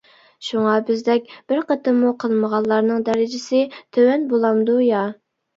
شۇڭا بىزدەك بىر قېتىممۇ قىلمىغانلارنىڭ دەرىجىسى تۆۋەن بولامدۇ يا!